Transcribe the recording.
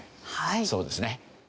そうですね。